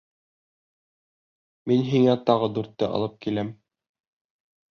— Мин һиңә тағы дүртте алып киләм.